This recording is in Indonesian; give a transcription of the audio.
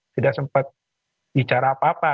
tidak sempat bicara apa apa